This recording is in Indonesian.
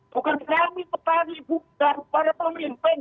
bukan kami petani bukan pada pemimpin